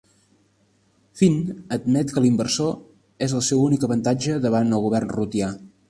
Finn admet que l'inversor és el seu únic avantatge davant el govern rutià.